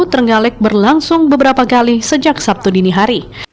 terenggalek berlangsung beberapa kali sejak sabtu dini hari